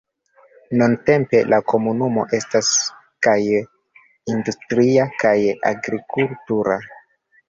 Nuntempe, la komunumo estas kaj industria kaj agrikultura.